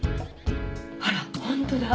あら本当だ。